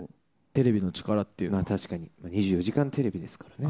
テレビの力っていうのは、２４時間テレビですからね。